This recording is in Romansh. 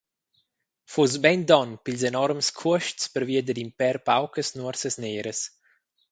Fuss bein donn pils enorms cuosts pervia dad in pèr paucas nuorsas neras.